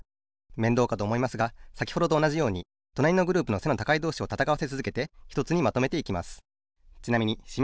めんどうかとおもいますがさきほどとおなじようにとなりのグループの背の高いどうしをたたかわせつづけてひとつにまとめていきます。